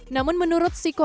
namun menurut sikopi